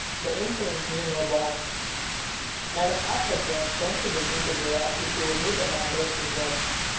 Their insolence knew no bounds. Madame Arfwedsson had counselled the King to beware if he should meet a man dressed in red.